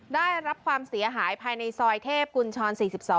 ได้รับความเสียหายภายในซอยเทพกุญชร๔๒